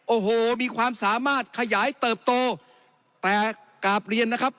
โอ้โหมีความสามารถขยายเติบโตแต่กราบเรียนนะครับ